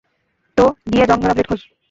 তো, গিয়ে জং-ধরা ব্লেড খোঁজ।